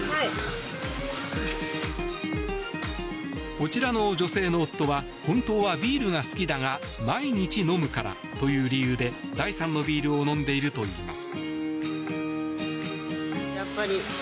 こちらの女性の夫は本当はビールが好きだが毎日飲むからという理由で第３のビールを飲んでいるといいます。